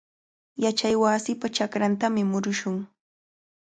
Yachaywasipa chakrantami murushun.